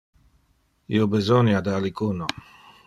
Io besonia de alicuno.